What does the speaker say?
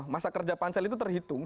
masa kerja pansel itu terhitung